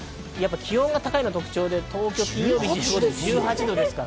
気温が高いのが特徴で、東京は金曜日、土曜日１８度です。